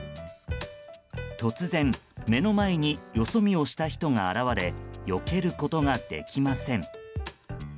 突然、目の前によそ見をした人が現れよけることができません。